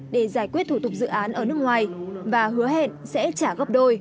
để giải quyết thủ tục dự án ở nước ngoài và hứa hẹn sẽ trả góp đôi